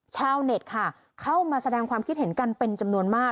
ชาวเน็ตค่ะเข้ามาแสดงความคิดเห็นกันเป็นจำนวนมาก